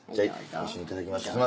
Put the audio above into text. いただきます。